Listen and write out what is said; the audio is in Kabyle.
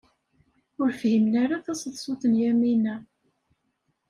Ur fhimen ara taseḍsut n Yamina.